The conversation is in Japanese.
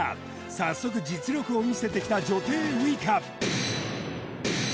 早速実力を見せてきた女帝ウイカ